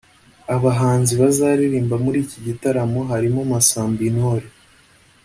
Abahanzi bazaririmba muri iki gitaramo harimo Masamba Intore